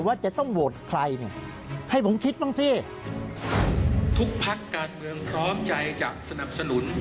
ทุกภักดิ์การเมืองพร้อมใจจากสนับสนุน